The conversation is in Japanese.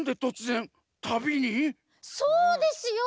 そうですよ！